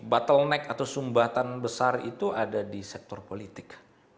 bottleneck atau sumbatan besar itu ada di sektor politik